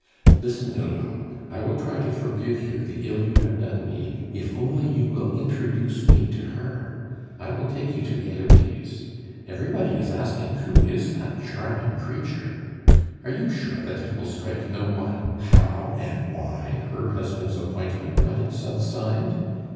"Listen, Hulot; I will try to forgive you the ill you have done me if only you will introduce me to her I will take you to Heloise. Everybody is asking who is that charming creature. Are you sure that it will strike no one how and why her husband's appointment got itself signed?